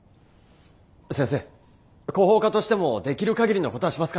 先生広報課としてもできる限りのことはしますから。